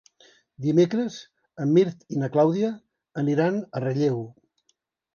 Dimecres en Mirt i na Clàudia aniran a Relleu.